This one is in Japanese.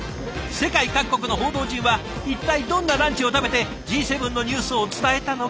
世界各国の報道陣は一体どんなランチを食べてＧ７のニュースを伝えたのか。